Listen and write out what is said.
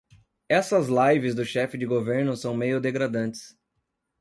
Essas lives do chefe de governo são meio degradantes